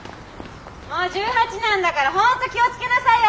もう１８なんだから本当気を付けなさいよ！